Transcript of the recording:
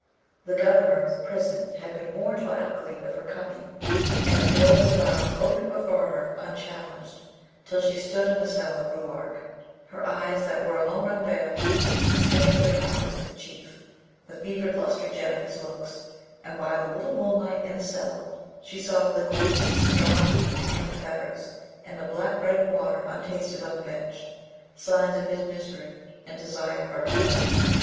The Governor of the prison had been warned by Ukleet of her coming, and the doors and bars opened before her unchallenged, till she stood in the cell of Ruark; her eyes, that were alone unveiled, scanned the countenance of the Chief, the fevered lustre jet of his looks, and by the little moonlight in the cell she saw with a glance the straw heap and the fetters, and the black bread and water untasted on the bench signs of his misery and desire for her coming.